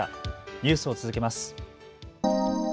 ニュースを続けます。